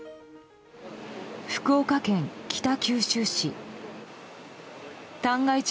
福岡県北九州市。